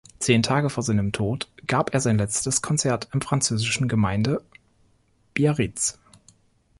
Zehn Tage vor seinem Tod gab er sein letztes Konzert im französischen Gemeinde Biarritz.